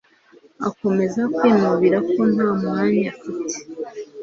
akomeza kwinubira ko nta mwanya afite